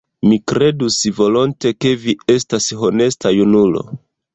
Mi kredus volonte, ke vi estas honesta junulo.